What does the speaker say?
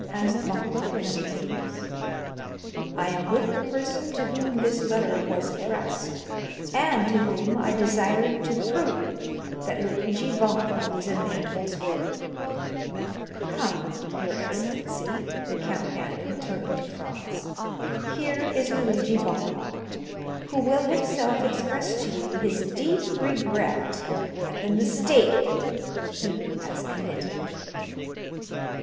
asked Vampa with uneasiness. "I am with the person to whom this letter was addressed, and to whom I desired to prove that Luigi Vampa was a man of his word. Come, your excellency," the count added, turning to Franz, "here is Luigi Vampa, who will himself express to you his deep regret at the mistake he has committed."